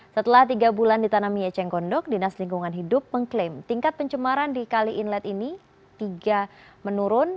setelah tiga bulan ditanami eceng gondok dinas lingkungan hidup mengklaim tingkat pencemaran di kali inlet ini tiga menurun